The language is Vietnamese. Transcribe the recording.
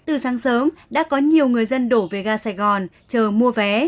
từ sáng sớm đã có nhiều người dân đổ về ga sài gòn chờ mua vé